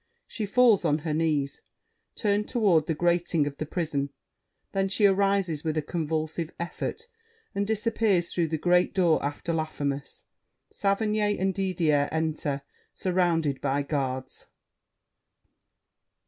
She falls on her knees, turned toward the grating of the prison; then she arises with a convulsive effort and disappears through the great door after Laffemas. Saverny and Didier enter, surrounded by Guards.